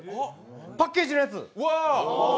パッケージのやつ。